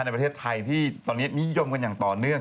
ในประเทศไทยที่ตอนนี้นิยมกันอย่างต่อเนื่อง